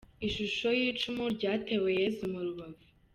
Ishusho y’icumu ryatewe Yesu mu rubavu.